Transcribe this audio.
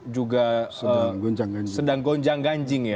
juga sedang gonjang ganjing